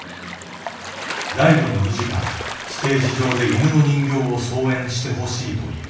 ライブの２時間ステージ上で犬の人形を操演してほしいという。